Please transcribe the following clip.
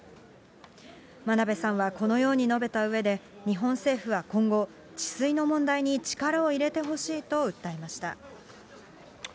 真鍋さんはこのように述べたうえで、日本政府は今後、治水の問題に力を入れてほしいと訴えました。